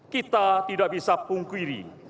kita tidak bisa pungkiri